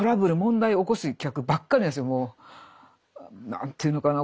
何て言うのかな